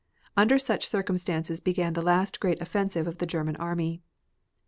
Under such circumstances began the last great offensive of the German army.